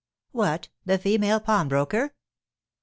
"What, the female pawnbroker?"